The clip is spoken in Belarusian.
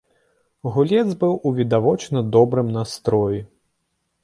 Гулец быў у відавочна добрым настроі.